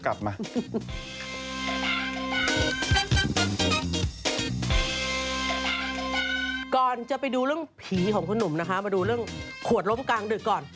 ก่อนจะไปดูเรื่องผีของคุณหนุ่มนะคะมาดูเรื่องขวดล้มกลางดึกก่อน